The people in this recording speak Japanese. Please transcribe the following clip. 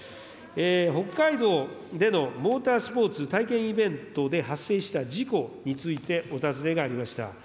北海道でのモータースポーツ体験イベントで発生した事故についてお尋ねがありました。